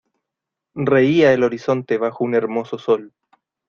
reía el horizonte bajo un hermoso sol.